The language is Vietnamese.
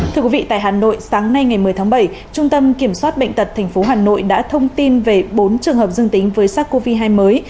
thưa quý vị tại hà nội sáng nay ngày một mươi tháng bảy trung tâm kiểm soát bệnh tật tp hà nội đã thông tin về bốn trường hợp dương tính với sars cov hai mới